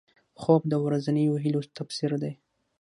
خوب د ورځنیو هیلو تفسیر دی